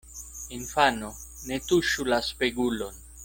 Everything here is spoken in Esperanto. Infano, ne tuŝu la spegulon!